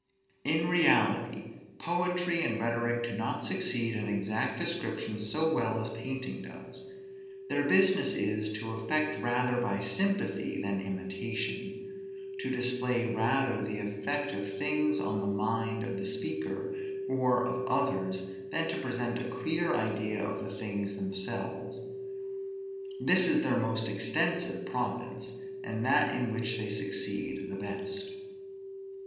In reality, poetry and rhetoric do not succeed in exact description so well as painting does; their business is, to affect rather by sympathy than imitation; to display rather the effect of things on the mind of the speaker, or of others, than to present a clear idea of the things themselves. This is their most extensive province, and that in which they succeed the best.